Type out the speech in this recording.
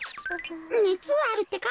ねつはあるってか？